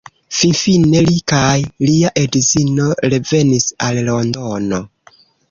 Finfine li kaj lia edzino revenis al Londono.